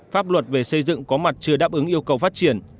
pháp luật về xây dựng có mặt chưa đáp ứng yêu cầu phát triển